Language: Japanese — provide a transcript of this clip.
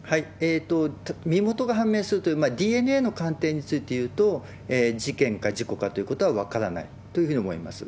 身元が判明するという、ＤＮＡの鑑定についていうと、事件か事故かということは分からないというふうに思います。